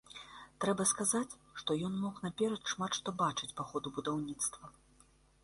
Трэба сказаць, што ён мог наперад шмат што бачыць па ходу будаўніцтва.